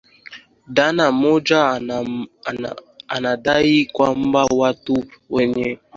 Dhana moja inadai kwamba watu wanne walivamia mahali alipokuwa Karume na wenzake